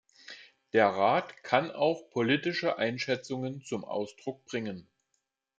Der Rat kann auch politische Einschätzungen zum Ausdruck bringen.